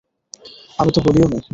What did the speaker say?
আমি তা বলিওনি।